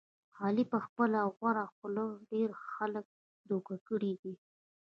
علي په خپله غوړه خوله ډېر خلک دوکه کړي دي.